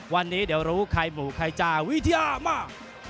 วันนี้เดี๋ยวรู้ใครบู่ใครจะวิทยามาก